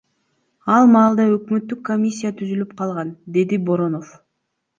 Ал маалда өкмөттүк комиссия түзүлүп калган, — деди Боронов.